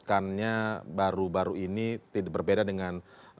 pertanyaannya baru baru ini tidak berbeda dengan empat belas partai politik nasional yang lain